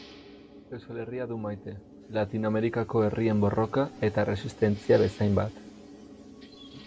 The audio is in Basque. Euskal Herria du maite, Latinoamerikako herrien borroka eta erresistentzia bezainbat.